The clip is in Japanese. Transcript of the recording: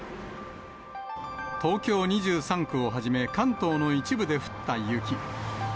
東京２３区をはじめ、関東の一部で降った雪。